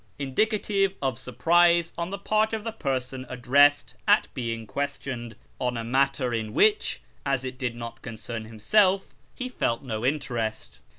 indicative of surprise on the part of the person addressed at being questioned on a matter in which, as it did not concern himself, he felt no interest.